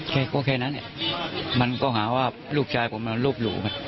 แค่นั้นเนี่ยมันก็หาว่าลูกยายผมลูบหลู่